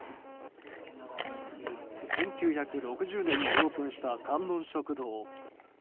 １９６０年にオープンした観音食堂。